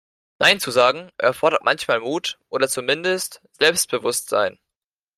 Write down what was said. Nein zu sagen, erfordert manchmal Mut oder zumindest Selbstbewusstsein.